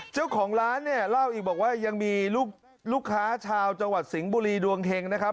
เจ้าของร้านเนี่ยเล่าอีกบอกว่ายังมีลูกค้าชาวจังหวัดสิงห์บุรีดวงเฮงนะครับ